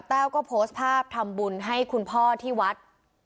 แววก็โพสต์ภาพทำบุญให้คุณพ่อที่วัด